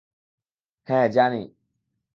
হ্যা, জানি।